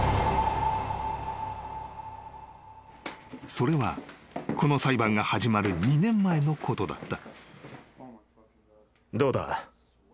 ［それはこの裁判が始まる２年前のことだった］